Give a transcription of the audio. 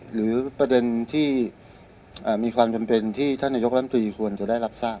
หรือประเด็นที่มีความจำเป็นที่ท่านนายกรัมตรีควรจะได้รับทราบ